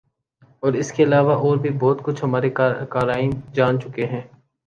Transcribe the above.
اور اس کے علاوہ اور بھی بہت کچھ ہمارے قارئین جان چکے ہیں ۔